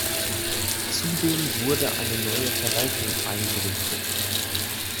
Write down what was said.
Zudem wurde eine neue Verwaltung eingerichtet.